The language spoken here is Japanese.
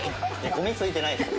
ゴミついてないですよ。